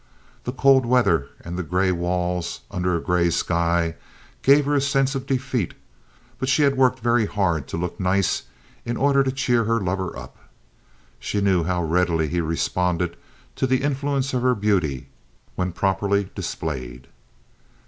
The cold weather and the gray walls under a gray sky gave her a sense of defeat, but she had worked very hard to look nice in order to cheer her lover up. She knew how readily he responded to the influence of her beauty when properly displayed.